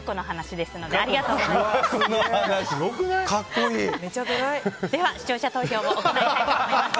では視聴者投票を行いたいと思います。